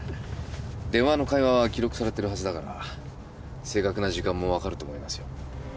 電話の会話は記録されてるはずだから正確な時間も分かると思いますよ。